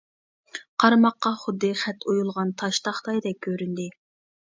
قارىماققا خۇددى خەت ئويۇلغان تاش تاختايدەك كۆرۈندى.